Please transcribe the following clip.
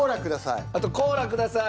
とコーラください。